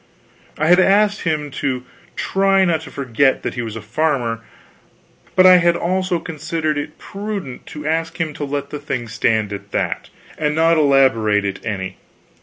I had asked him to try to not forget that he was a farmer; but I had also considered it prudent to ask him to let the thing stand at that, and not elaborate it any.